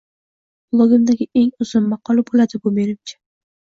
Blogimdagi eng uzun maqola bo’ladi bu, menimcha